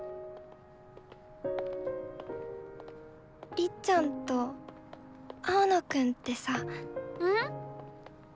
りっちゃんと青野くんってさ。ん？